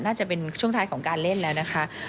น่าจะเป็นช่วงท้ายของการเล่นแล้วนะคะ